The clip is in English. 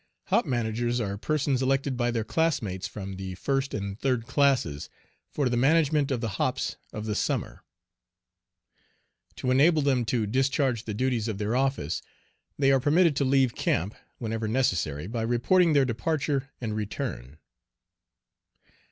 "Hop managers" are persons elected by their classmates from the first and third classes for the management of the hops of the summer. To enable them to discharge the duties of their office, they are permitted to leave camp, whenever necessary, by reporting their departure and return.